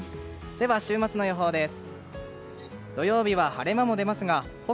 週末の予報です。